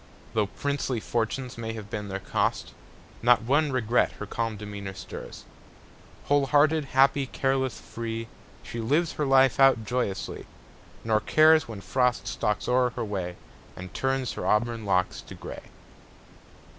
Though princely fortunes may have been their cost, Not one regret her calm demeanor stirs. Whole hearted, happy, careless, free, She lives her life out joyously, Nor cares when Frost stalks o'er her way And turns her auburn locks to gray.